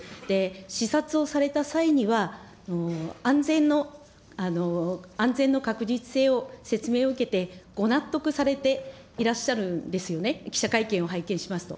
視察をされた際には、安全の安全の確実性を説明を受けてご納得されていらっしゃるんですよね、記者会見を拝見しますと。